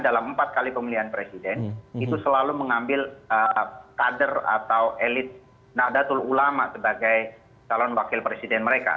dalam empat kali pemilihan presiden itu selalu mengambil kader atau elit nadatul ulama sebagai calon wakil presiden mereka